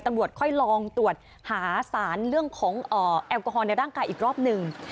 ค่อยลองตรวจหาสารเรื่องของแอลกอฮอลในร่างกายอีกรอบหนึ่ง